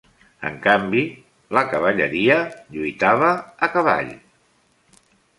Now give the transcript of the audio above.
En canvi, la cavalleria lluitava a cavall.